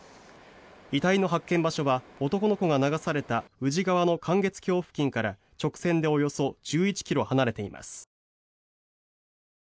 遺体の発見場所は男の子が流された宇治川の観月橋付近から直線でおよそ１１ｋｍ離れています。